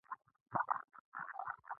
ما د پیرود اجناس کور ته یوړل.